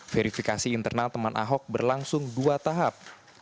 verifikasi internal teman ahok berlangsung dua tahap